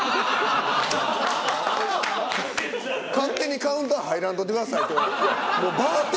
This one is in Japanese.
「勝手にカウンター入らんとって下さい」。